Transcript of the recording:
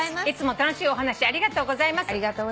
「いつも楽しいお話ありがとうございます」